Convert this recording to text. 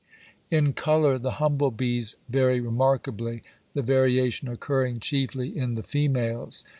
In colour the humble bees vary remarkably, the variation occurring chiefly in the females.